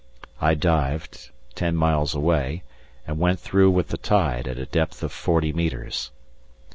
I dived, ten miles away, and went through with the tide at a depth of forty metres.